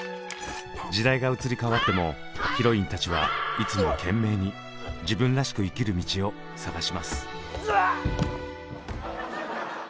時代が移り変わってもヒロインたちはいつも懸命に自分らしく生きる道を探します。